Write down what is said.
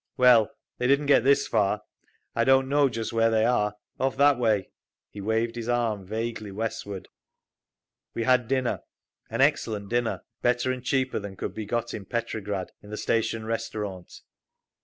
"Well, they didn't get this far. I don't know just where they are. Off that way…." He waved his arm vaguely westward. We had dinner—an excellent dinner, better and cheaper than could be got in Petrograd—in the station restaurant.